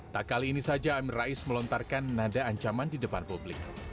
tak kali ini saja amin rais melontarkan nada ancaman di depan publik